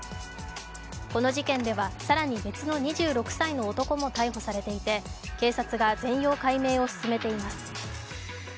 この事件では更に別の２６歳の男も逮捕されていて警察が全容解明を進めています。